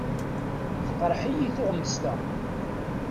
Teqreḥ-iyi tuɣmest-a.